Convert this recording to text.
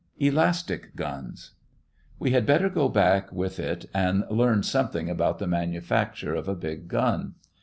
ELASTIC GUNS We had better go back with it and learn something about the manufacture of a big gun.